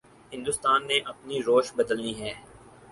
ہندوستان نے اپنی روش بدلنی ہے۔